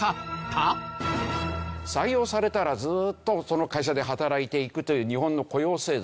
採用されたらずっとその会社で働いていくという日本の雇用制度。